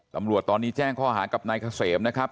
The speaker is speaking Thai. ตำรวจตอนนี้แจ้งข้อหากับนายเกษมนะครับ